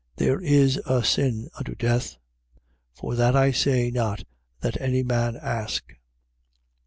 There is a sin unto death. For that I say not that any man ask.